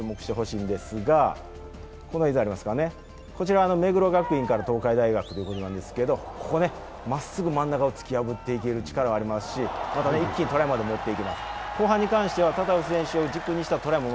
もう１人、フォワードのタタフ選手もぜひ注目してほしいんですがこちら目黒学院から東海大学ということなんですけど、まっすぐ真ん中を突き破っていく力もありますし一気にトライまで持っていけます。